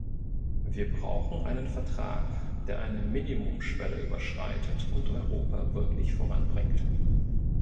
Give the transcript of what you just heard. Wir brauchen einen Vertrag, der eine Minimumschwelle überschreitet und Europa wirklich voranbringt.